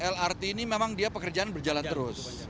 lrt ini memang dia pekerjaan berjalan terus